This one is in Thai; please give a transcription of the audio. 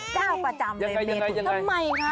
เจ้าประจำเลยเมถุนทำไมคะยังไง